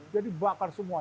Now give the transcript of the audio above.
jadi bakar semua